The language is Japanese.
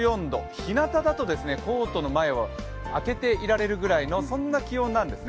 日なただとコートの前を開けていられるぐらいの、そんな気温なんですね。